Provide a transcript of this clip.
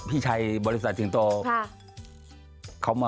ที่เป็นแบบบุ่มลูกทุ่งแทบ